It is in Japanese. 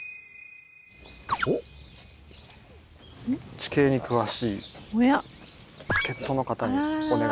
地形に詳しい助っ人の方にお願いしようと。